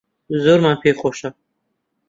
زۆرمان پێخۆشە